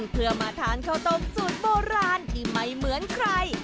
เพื่อมาทานข้าวต้มสูตรโบราณที่ไม่เหมือนใคร